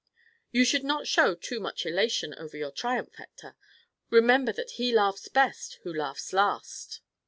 "You should not show too much elation over your triumph, Hector. Remember that he laughs best who laughs last."